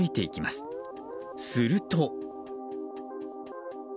すると。